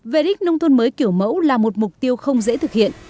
về đích nông thôn mới kiểu mẫu là một mục tiêu không dễ thực hiện